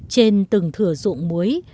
trên từng thửa rụng muối